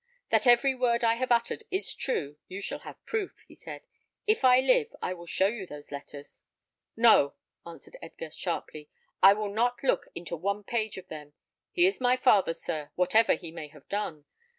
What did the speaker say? "That every word I have uttered is true, you shall have proof," he said. "If I live, I will show you those letters." "No!" answered Edgar, sharply; "I will not look into one page of them. He is my father, sir, whatever he may have done.